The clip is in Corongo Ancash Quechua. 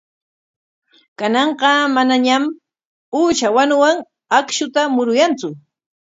Kananqa manañam uusha wanuwan akshuta muruyantsu.